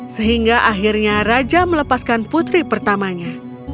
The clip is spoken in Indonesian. sehingga akhirnya raja melepaskan putri pertamanya